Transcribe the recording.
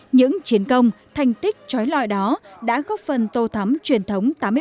những chiến công thành tích trói lòi đó đã góp phần tô thắm truyền thống tổ quốc